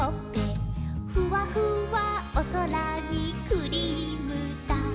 「ふわふわおそらにクリームだ」